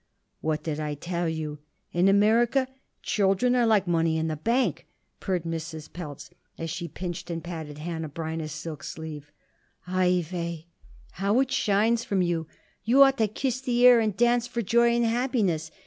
"What did I tell you? In America children are like money in the bank," purred Mrs. Pelz as she pinched and patted Hanneh Breineh's silk sleeve. "Oi weh! how it shines from you! You ought to kiss the air and dance for joy and happiness.